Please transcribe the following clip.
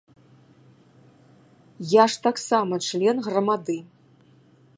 Я ж таксама член грамады.